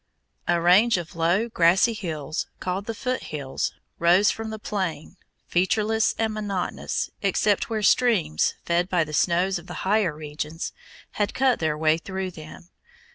A range of low, grassy hills, called the Foot Hills, rose from the plain, featureless and monotonous, except where streams, fed by the snows of the higher regions, had cut their way through them.